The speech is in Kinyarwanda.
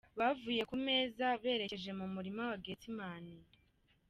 Bavuye ku meza berekeje mu murima wa Getsimani.